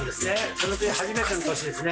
それで初めての年ですね。